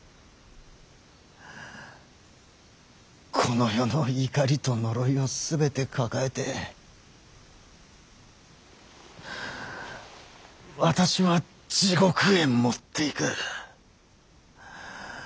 この世の怒りと呪いを全て抱えて私は地獄へ持っていく。